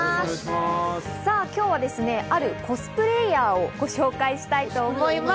今日はあるコスプレイヤーをご紹介します。